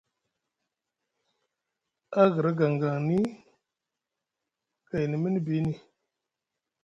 A hgra gangang ni gaidi mini biini.